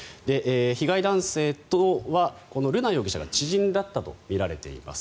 被害男性とは瑠奈容疑者が知人だったとみられています。